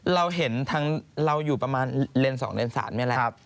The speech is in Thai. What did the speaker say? เราเห็นทั้งเราอยู่ประมาณเลนส์สองเลนส์สามนี้แหละ